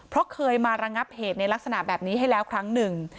เพราะเคยมาระงับเหตุในลักษณะแบบนี้ให้แล้วครั้งหนึ่ง